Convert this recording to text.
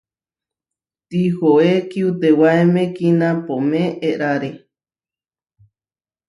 Tihoé kiutewaéme kinapoʼmé éʼrare.